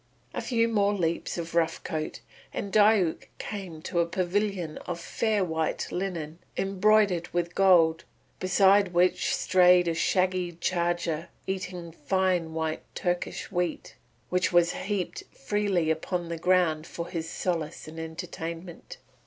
A few more leaps of Rough Coat, and Diuk came to a pavilion of fair white linen embroidered with gold, beside which strayed a shaggy charger eating fine white Turkish wheat, which was heaped freely upon the ground for his solace and entertainment.